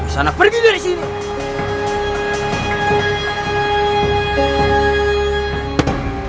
sana pergi dari sini